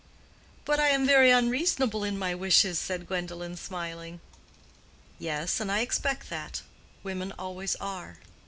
"But I am very unreasonable in my wishes," said Gwendolen, smiling. "Yes, I expect that. Women always are."